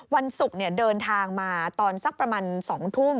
วันศุกร์เดินทางมาตอนสักประมาณ๒ทุ่ม